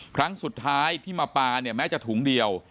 ครั้งสุดท้ายที่มาปลาเนี่ยแม้จะถุงเดียว